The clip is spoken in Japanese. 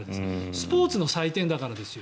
スポーツの祭典だからですよ。